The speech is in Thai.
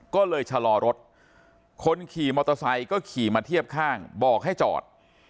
ก็เลยชะลอรถคนขี่มอเตอร์ไซค์ก็ขี่มาเทียบข้างบอกให้จอด